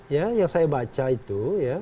ya yang saya baca itu ya